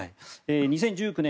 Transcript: ２０１９年